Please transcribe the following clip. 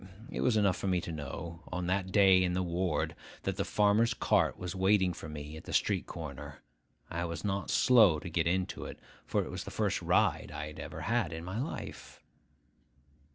It was enough for me to know, on that day in the ward, that the farmer's cart was waiting for me at the street corner. I was not slow to get into it; for it was the first ride I ever had in my life.